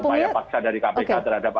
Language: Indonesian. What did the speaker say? upaya paksa dari kpk terhadap